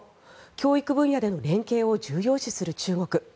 教育分野での連携を重要視する中国。